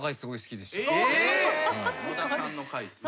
野田さんの回っすね。